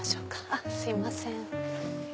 あっすいません。